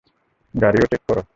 গাড়ীও চেক কর?